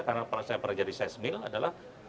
karena saya pernah jadi sesmil adalah